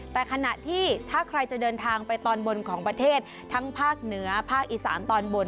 แต่ขณะที่ถ้าใครจะเดินทางไปตอนบนของประเทศทั้งภาคเหนือภาคอีสานตอนบน